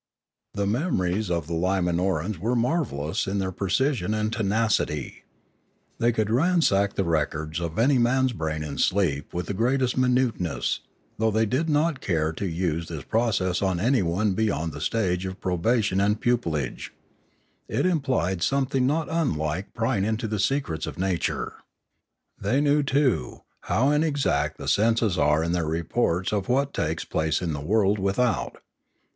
The memories of the Limanorans were marvellous in their precision and tenacity. They could ransack the records of any man's brain in sleep with the greatest mi nuteness, though they did not care to use this process on anyone beyond the stage of probation and pupillage; it implied something not unlike prying into the secrets of the nature. They knew, too, how inexact the senses are in their reports of what takes place in the world without.